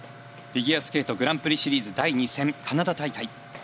フィギュアスケートグランプリシリーズ第２戦カナダ大会。